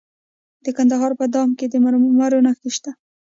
د کندهار په دامان کې د مرمرو نښې شته.